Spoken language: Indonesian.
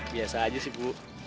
biasa aja sih bu